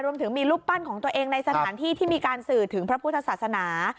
รวมถึงมีรูปปั้นของตัวเองในสถานที่ที่มีการสื่อถึงพระพุทธศาสนา